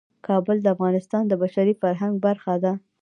کابل د افغانستان د بشري فرهنګ برخه ده.